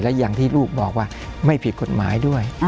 และอย่างที่ลูกบอกว่าไม่ผิดกฎหมายด้วย